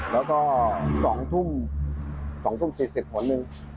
แล้วก็สองทุ่มสิบสิบหนึ่ง